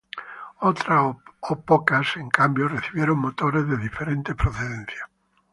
Otras pocas, en cambio, recibieron motores de diferente procedencia.